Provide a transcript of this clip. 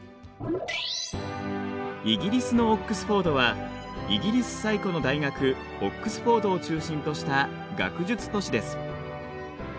イギリスのオックスフォードはイギリス最古の大学オックスフォードを中心とした学術都市です。